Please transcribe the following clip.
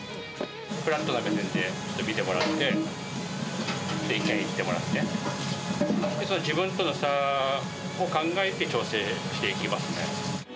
フラットな目線で見てもらって、意見言ってもらって、それで自分との差を考えて調整していきますね。